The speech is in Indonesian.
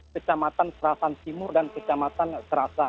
kecamatan serastan timur dan kecamatan serastan